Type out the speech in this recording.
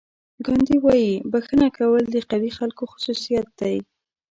ګاندي وایي بښنه کول د قوي خلکو خصوصیت دی.